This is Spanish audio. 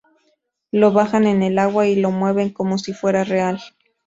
Lo bajan en el agua y lo mueven como si fuera real.